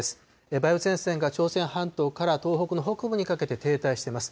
梅雨前線が朝鮮半島から東北の北部にかけて停滞してます。